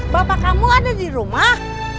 bapak kamu ada di rumah